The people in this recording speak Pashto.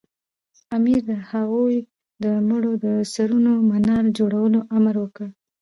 امیر د هغوی د مړو د سرونو منار جوړولو امر وکړ.